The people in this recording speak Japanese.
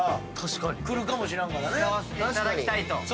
使わせていただきたいと。